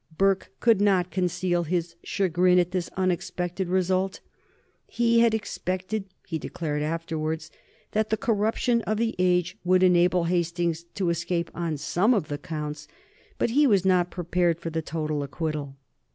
Burke could not conceal his chagrin at this unexpected result. He had expected, he declared afterwards, that the corruption of the age would enable Hastings to escape on some of the counts, but he was not prepared for the total acquittal.